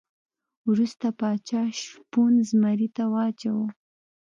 وروسته پاچا شپون زمري ته واچاوه.